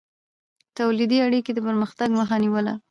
تولیدي اړیکې د پرمختګ مخه نیوله.